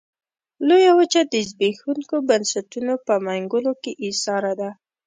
لویه وچه د زبېښونکو بنسټونو په منګلو کې ایساره ده.